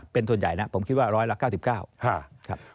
เป็นส่วนใหญ่นะผมคิดว่า๑๙๙บาท